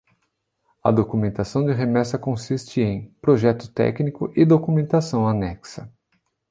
A documentação de remessa consiste em: projeto técnico e documentação anexa.